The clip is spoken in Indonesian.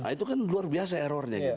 itu kan luar biasa errornya gitu